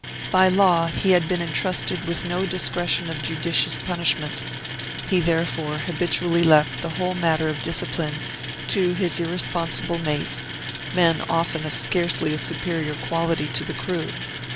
By law he had been intrusted with no discretion of judicious punishment, he therefore habitually left the whole matter of discipline to his irresponsible mates, men often of scarcely a superior quality to the crew.